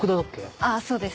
あぁそうです。